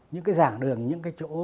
những cái giảng đường những cái chỗ